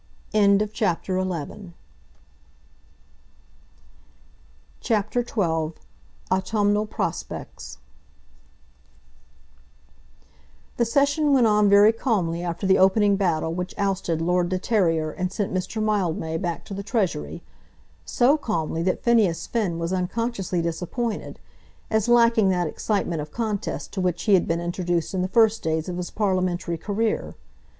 CHAPTER XII Autumnal Prospects The session went on very calmly after the opening battle which ousted Lord de Terrier and sent Mr. Mildmay back to the Treasury, so calmly that Phineas Finn was unconsciously disappointed, as lacking that excitement of contest to which he had been introduced in the first days of his parliamentary career.